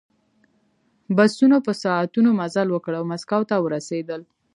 بسونو په ساعتونو مزل وکړ او مسکو ته ورسېدل